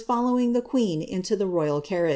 lowing the queen into the royal carriage.